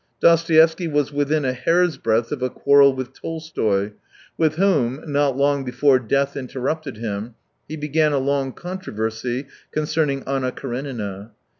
Dostoevsky was within a hair's breath of a quarrel with Tolstoy, with whom, not long before death interrupted him, he began a long controversy coricerning " Anna Karenina."